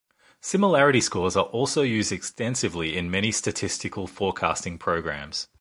Similarity scores are also used extensively in many statistical forecasting programs.